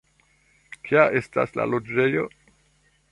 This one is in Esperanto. Kia estas la loĝejo?